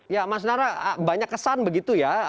ya mas nara banyak kesan begitu ya